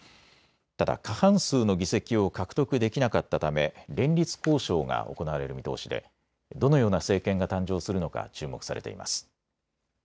ただ過半数の議席を獲得できなかったため連立交渉が行われる見通しでどのような政権が誕生するのか注目されています。